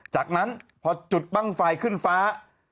จากนั้นพอจุดบ้างไฟขึ้นฟ้า